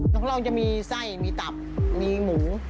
ของเราจะมีไส้มีตับมีหมู